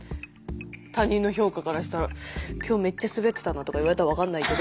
他人の評価からしたら「今日めっちゃ滑ってたな」とか言われたら分かんないけど。